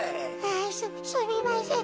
すすみません。